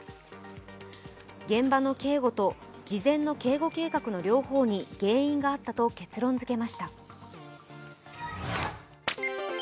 現場の警護と事前の警護計画の両方に原因があったと結論づけました。